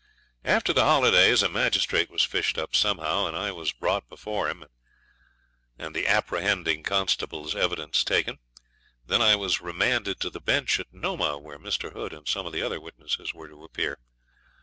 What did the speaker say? After the holidays a magistrate was fished up somehow, and I was brought before him and the apprehending constable's evidence taken. Then I was remanded to the Bench at Nomah, where Mr. Hood and some of the other witnesses were to appear.